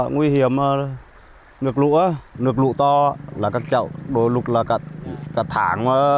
nguy hiểm là nước lũ nước lũ to là các cháu đôi lục là cả tháng